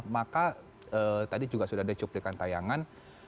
maka tadi juga sudah ada cuplikan tayangan